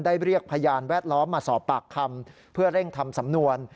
เรียกพยานแวดล้อมมาสอบปากคำเพื่อเร่งทำสำนวน